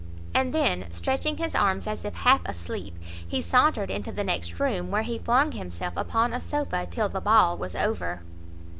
And then, stretching his arms as if half asleep, he sauntered into the next room, where he flung himself upon a sofa till the ball was over.